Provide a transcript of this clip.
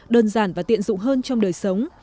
đơn giản và tiện dụng hơn trong đời sống